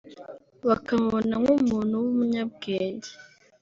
bakamubona nk’umuntu w’umunyabwenge